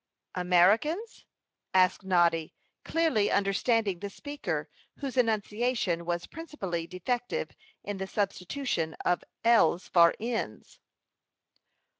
"Americans?" asked Noddy, clearly understanding the speaker, whose enunciation was principally defective in the substitution of l's for n's.